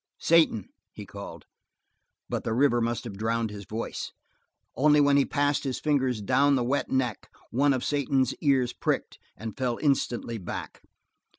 "Satan!" he called, but the river must have drowned his voice. Only when he passed his fingers down the wet neck, one of Satan's ears pricked, and fell instantly back.